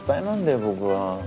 僕は。